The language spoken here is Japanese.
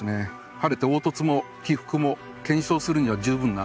晴れて凹凸も起伏も検証するには十分な。